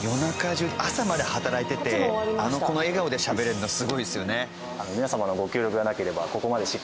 中朝まで働いててこの笑顔でしゃべれるのすごいですよね。